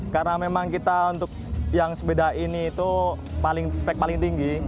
karena memang kita untuk yang sepeda ini itu spek paling tinggi